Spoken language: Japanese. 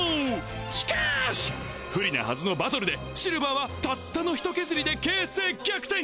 しかし不利なはずのバトルでシルヴァーはたったの１ケズリで形勢逆転！